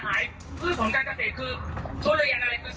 ไอจีจะช่วยเขายังไงดี